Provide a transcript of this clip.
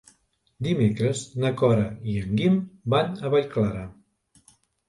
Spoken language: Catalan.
Dimecres na Cora i en Guim van a Vallclara.